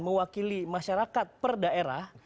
mewakili masyarakat per daerah